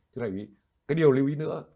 cái điều lưu ý nữa